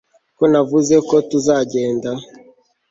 ko navuze ko tuzagenda